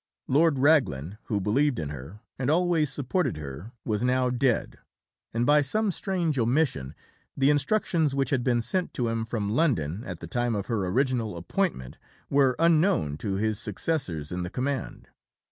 Lord Raglan, who believed in her and always supported her, was now dead; and by some strange omission, the instructions which had been sent to him from London at the time of her original appointment were unknown to his successors in the command.